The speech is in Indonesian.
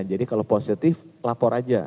jadi kalau positif lapor aja